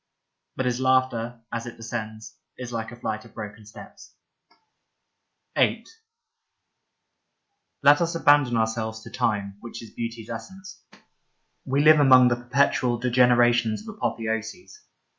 But his laughter as it descends is like a flight of broken steps. Beauty 53 VIII LET us abandon ourselves to Time, which is beauty's essence. We live among the perpetual degenerations of apotheoses.